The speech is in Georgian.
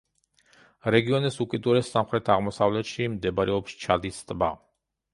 რეგიონის უკიდურეს სამხრეთ-აღმოსავლეთში მდებარეობს ჩადის ტბა.